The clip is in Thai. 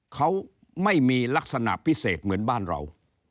เขาไม่มีลักษณะพิเศษเหมือนบ้านเรา